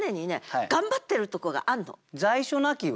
「在所無き」は？